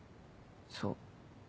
そう。